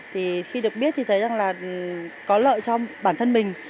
thì khi được biết thì thấy rằng là có lợi cho bản thân mình